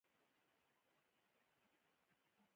هلته دا پیغامونه تعبیر او تشخیص شي.